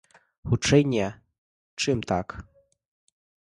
Хутчэй не, чым так.